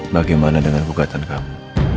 bagaimana dengan ugatan kamu